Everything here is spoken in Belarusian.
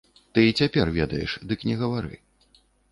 Ты і цяпер ведаеш, дык не гавары.